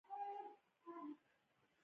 اوبه بې له ککړتیا نه باید وڅښل شي.